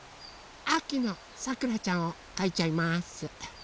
あきのさくらちゃんをかいちゃいます！